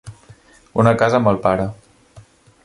Una casa amb el pare.